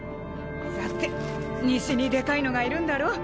さて西にでかいのがいるんだろ？